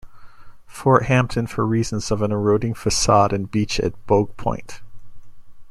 Fort Hampton for reasons of an eroding facade and beach at Bogue Point.